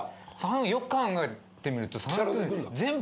よく考えてみると坂上君。